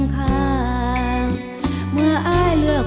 กลับมาเมื่อเวลาที่สุดท้าย